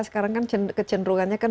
sekarang kan kecenderungannya kan